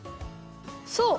そう。